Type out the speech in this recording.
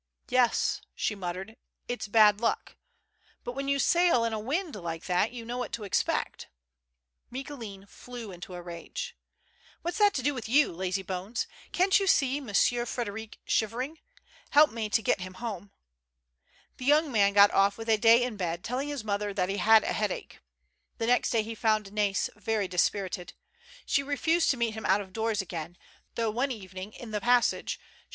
"Yes," she muttered, " it's bad luck. But when you sail in a wind like that, you know what to expect." Micoulin flew into a rage. " What's that to do with you, lazybones? Can't you see Monsieur Frederic shivering ? Help me to get him home." Tne young man got off with a day in bed, telling his mother that he had a headache. The next day he found Nais very dispirited. She refused to meet him out of doors again, though one evening, in the passage, she, 140 MURDEROUS ATTEMITS.